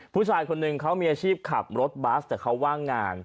ผู้ชายคนหนึ่งเขามีอาชีพขับรถบัสแต่เขาว่างงาน